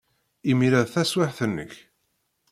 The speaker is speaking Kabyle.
Imir-a d taswiɛt-nnek.